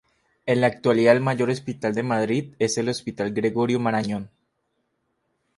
En la actualidad el mayor hospital de Madrid es el Hospital Gregorio Marañon.